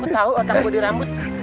gua tau otak gua dirambut